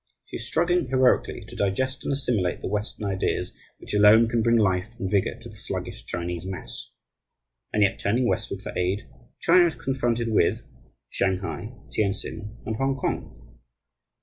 She is struggling heroically to digest and assimilate the Western ideas which alone can bring life and vigour to the sluggish Chinese mass. And yet, turning westward for aid, China is confronted with Shanghai, Tientsin, and Hongkong.